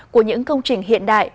của những công trình hiện đại